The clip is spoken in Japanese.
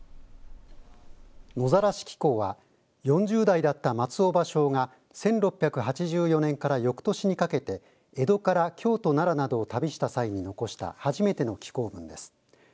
野ざらし紀行は４０代だった松尾芭蕉が１６８４年からよくとしにかけて江戸から京都、奈良などを旅した際に残した初めての紀行文です。